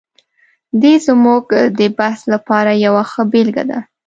دی زموږ د بحث لپاره یوه ښه بېلګه ده.